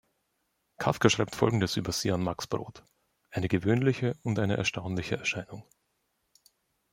Kafka schreibt Folgendes über sie an Max Brod: „"Eine gewöhnliche und eine erstaunliche Erscheinung.